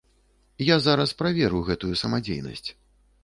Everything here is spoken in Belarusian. Я зараз праверу гэтую самадзейнасць.